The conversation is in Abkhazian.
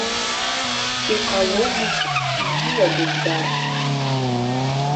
Иҟаломызт бзиа дызбар.